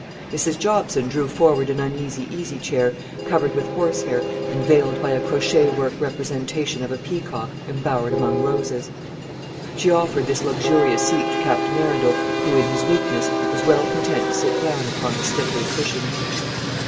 Mrs. Jobson drew forward an uneasy easy chair, covered with horsehair, and veiled by a crochet work representation of a peacock embowered among roses. She offered this luxurious seat to Captain Arundel, who, in his weakness, was well content to sit down upon the slippery cushions.